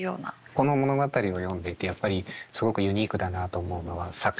この物語を読んでいてやっぱりすごくユニークだなと思うのは作者の視点が。